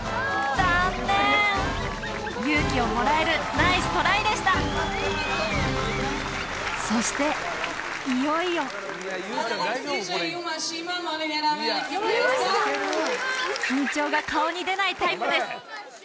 断念勇気をもらえるナイストライでしたそしていよいよ緊張が顔に出ないタイプです